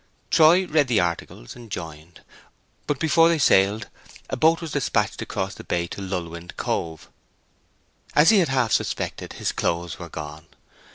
Troy read the articles and joined, but before they sailed a boat was despatched across the bay to Lulwind cove; as he had half expected, his clothes were gone.